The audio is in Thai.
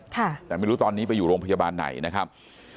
แต่ไม่รู้ตอนนี้ไปอยู่โรงพยาบาลไหนนะครับ